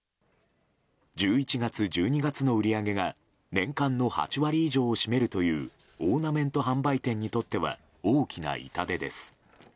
１１月、１２月の売り上げが年間の８割以上を占めるというオーナメント販売店にとっては大きな痛手です。